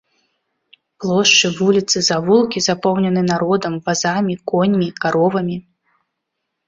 Плошчы, вуліцы, завулкі запоўнены народам, вазамі, коньмі, каровамі.